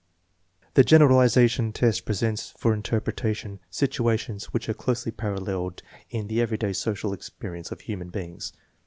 The generalization test presents for interpretation situa tions which are closely paralleled in the everyday social experience of human beings.